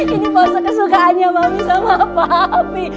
ini pose kesukaannya mami sama papi